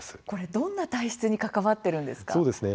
どんな体質に関わってるんですか？